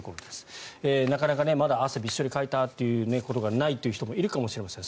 なかなか、まだ汗をびっしょりかいたことがないという人もいるかもしれません。